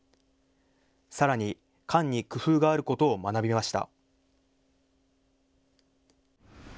さらに管に工夫があることを学びました。